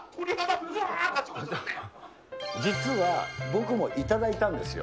鳥肌、実は、僕もいただいたんですよ。